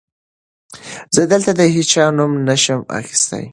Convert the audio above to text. زه دلته د هېچا نوم نه شم اخيستی.